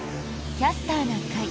「キャスターな会」。